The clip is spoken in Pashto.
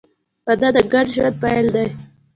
• واده د ګډ ژوند پیل دی.